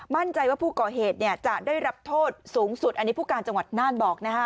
มั่นใจว่าผู้ก่อเหตุจะได้รับโทษสูงสุดอันนี้ผู้การจังหวัดน่านบอกนะฮะ